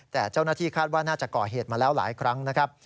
แต่เจ้าหน้าที่คาดว่าน่าจะก่อเหตุมาแล้วหลายครั้งนะครับ